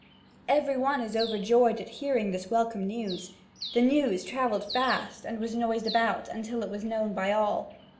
Every one is overjoyed at hearing this welcome news. The news travelled fast, and was noised about, until it was known by all.